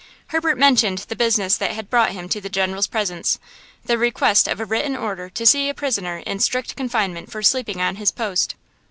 Herbert mentioned the business that had brought him to the general's presence, the request of a written order to see a prisoner in strict confinement for sleeping on his post.